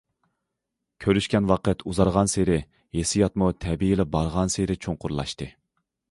كۆرۈشكەن ۋاقىت ئۇزارغانسېرى، ھېسسىياتمۇ تەبىئىيلا بارغانسېرى چوڭقۇرلاشتى.